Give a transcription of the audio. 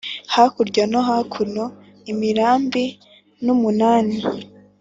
hakurya nó hakuno imirambi n úmunani